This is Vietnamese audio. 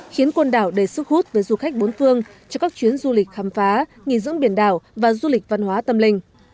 khiến côn đảo đầy sức hút với du khách bốn phương cho các chuyến du lịch khám phá nghỉ dưỡng biển đảo và du lịch văn hóa tâm linh